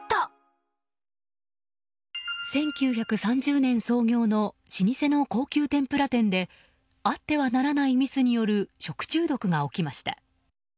１９３０年創業の老舗の高級天ぷら店であってはならないミスによる食中毒が起きました。